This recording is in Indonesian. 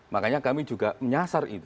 makanya kami juga menyasar itu